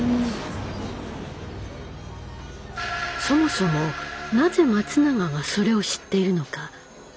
そもそもなぜ松永がそれを知っているのか。